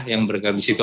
yang berganti di situ